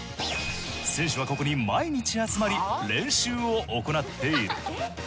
選手はここに毎日集まり練習を行っている。